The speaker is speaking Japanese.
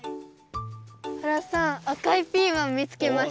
原さんあかいピーマンみつけました。